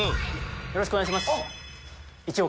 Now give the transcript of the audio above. よろしくお願いします。